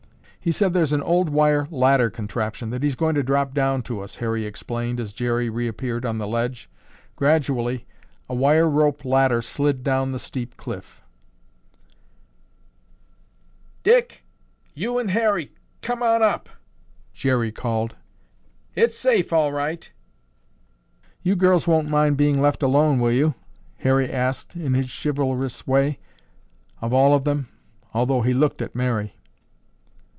"He said there's an old wire ladder contraption that he's going to drop down to us," Harry explained as Jerry reappeared on the ledge. Gradually a wire rope ladder slid down the steep cliff. "Dick, you and Harry come on up," Jerry called. "It's safe all right." "You girls won't mind being left alone, will you?" Harry asked in his chivalrous way, of all of them, although he looked at Mary.